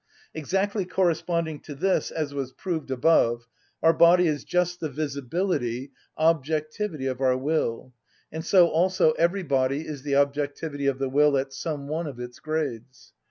Exactly corresponding to this, as was proved above, our body is just the visibility, objectivity of our will, and so also every body is the objectivity of the will at some one of its grades.